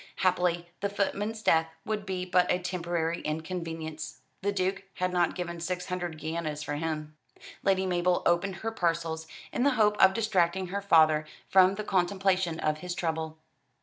Happily, the footman's death would be but a temporary inconvenience. The Duke had not given six hundred guineas for him. Lady Mabel opened her parcels, in the hope of distracting her father from the contemplation of his trouble.